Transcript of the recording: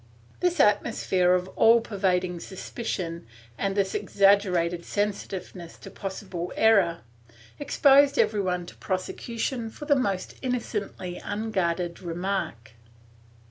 This atmosphere of all pervading suspicion, and this exag gerated sensitiveness to possible error, exposed everyone to prosecution for the most innocently unguarded remark.